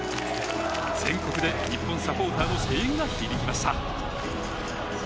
全国で日本サポーターの声援が響きました。